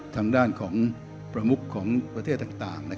ทางด้านของประมุขของประเทศต่าง